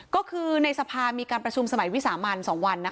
ก็คือในสภามีการประชุมสมัยวิสามัน๒วัน